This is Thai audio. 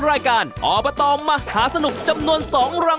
ดิ๊กเริ่มเลยนะ